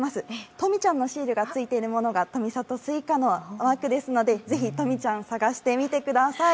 とみちゃんのシールがついているものが富里スイカのマークですのでぜひとみちゃん、探してみてください。